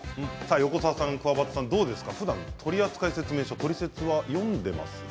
横澤さん、くわばたさんどうですか、ふだん取扱説明書トリセツは呼んでいますか。